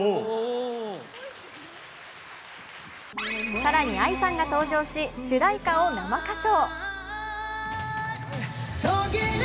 更に、ＡＩさんが登場し、主題歌を生歌唱。